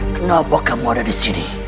kenapa kamu ada disini